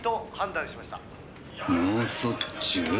脳卒中？